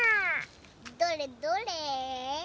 どれどれ？